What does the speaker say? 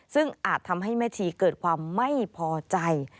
ซึ่งอาจทำให้แม่ชีเกิดความไม่พอใจ